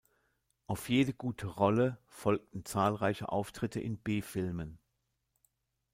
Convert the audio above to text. Auf jede gute Rolle folgten zahlreiche Auftritte in B-Filmen.